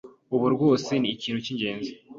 Ubu rwose ni ikintu cy'ingenzi